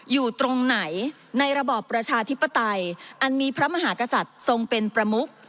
อยู่ตรงไหนในระบอบประชาธิปไตยอันมีพระมหากษัตริย์ทรงเป็นประมุก